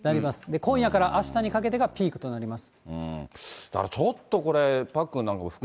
今夜からあしたにかけてがピークとなります。